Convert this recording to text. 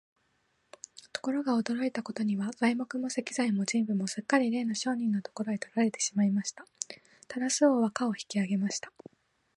ところが、驚いたことには、材木も石材も人夫もすっかりれいの商人のところへ取られてしまいました。タラス王は価を引き上げました。